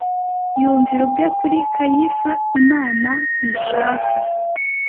Yumvira ubwe kuri Kayifa Imana ntishaka